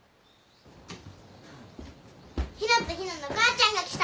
陽菜と陽菜の母ちゃんが来た。